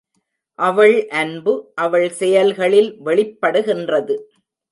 அவள் அன்பு அவள் செயல்களில் வெளிப்படுகின்றது.